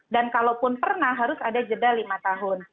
dan kalaupun pernah harus ada jeda lima tahun